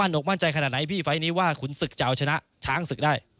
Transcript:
หกมั่นใจขนาดไหนพี่ไฟล์นี้ว่าขุนศึกจะเอาชนะช้างศึกได้